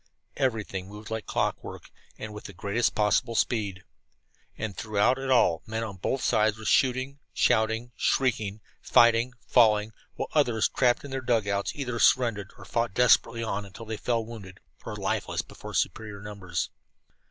Everything moved like clockwork, and with the greatest possible speed. And throughout it all men on both sides were shooting, shouting, shrieking, fighting, falling, while others, trapped in their dug outs, either surrendered or fought desperately on until they fell wounded or lifeless before superior numbers.